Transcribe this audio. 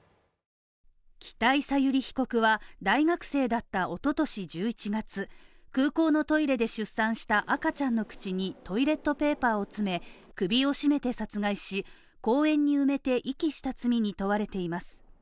北井小由里被告は大学生だった一昨年１１月、空港のトイレで出産した赤ちゃんの口にトイレットペーパーを詰めて首を絞めて殺害し公園に埋めて遺棄した罪に問われています。